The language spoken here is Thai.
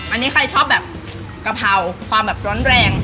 อันนี้ใครชอบแบบกะเพราความแบบร้อนแรง